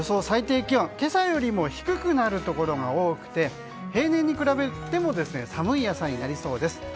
最低気温は今朝よりも低くなるところが多くて平年に比べても寒い朝になりそうです。